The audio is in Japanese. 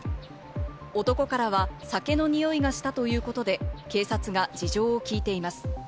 男からは酒のにおいがしたということで警察が事情を聞いています。